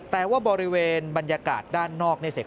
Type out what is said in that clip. แต่ว่าบริเวณบรรยากาศด้านนอก